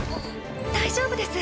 大丈夫です。